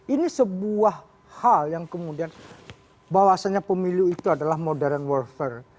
ini sebuah hal yang kemudian bahwasannya pemilu itu adalah modern warfer